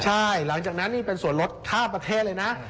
ใช่หลังจากนั้นนี่เป็นส่วนลดข้ามประเทศเลยนะ